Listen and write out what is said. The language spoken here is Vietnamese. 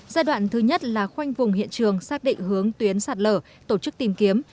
giai đoạn thứ nhất là khoanh vùng hiện trường xác định hướng tuyến sạt lở tổ chức tìm kiếm